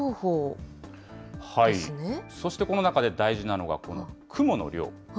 そして、この中で大事なのがこの雲の量。